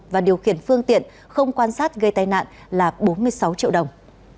và điều khiển phương tiện không quan sát gây tai nạn là bốn mươi sáu triệu đồng